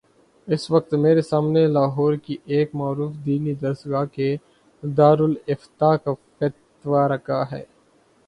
اس وقت میرے سامنے لاہور کی ایک معروف دینی درس گاہ کے دارالافتاء کا فتوی رکھا ہے۔